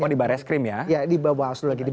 oh di baris krim ya